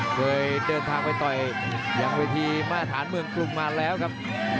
เผยเดินทางไปต่อยยังวิธีมาฐานเมืองกลุ่มมาแล้วครับ